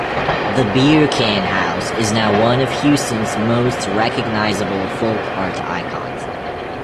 The Beer Can House is now one of Houston's most recognizable folk art icons.